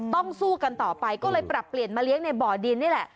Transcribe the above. สู้กันต่อไปก็เลยปรับเปลี่ยนมาเลี้ยงในบ่อดินนี่แหละ